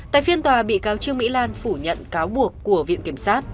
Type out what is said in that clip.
tại phiên tòa bị cáo trương mỹ lan phủ nhận cáo buộc của viện kiểm sát